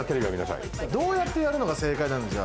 どうやってやるのが正解なの？